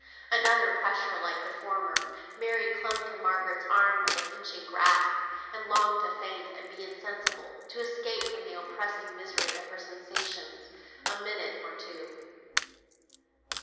Another pressure like the former! Mary clung to Margaret's arm with a pinching grasp, and longed to faint, and be insensible, to escape from the oppressing misery of her sensations. A minute or two.